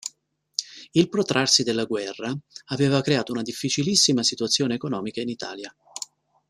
Il protrarsi della guerra aveva creato una difficilissima situazione economica in Italia.